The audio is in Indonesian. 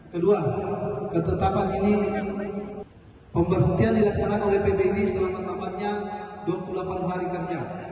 kedua ketetapan ini pemberhentian dilaksanakan oleh pbi selama tampaknya dua puluh delapan hari kerja